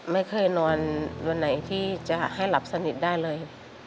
ไม่เคยนอนวันไหนที่จะให้หลับสนิทได้เลย